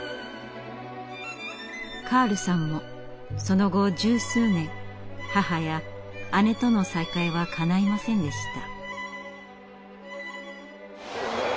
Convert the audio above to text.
カールさんもその後十数年母や姉との再会はかないませんでした。